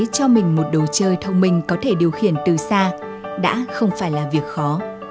cho mình một đồ chơi thông minh có thể điều khiển từ xa đã không phải là việc khó